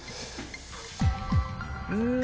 うん！